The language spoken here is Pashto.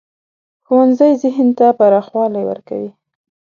ښوونځی ذهن ته پراخوالی ورکوي